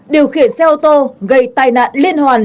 điều khiển xe ô tô gây tai nạn liên hoàn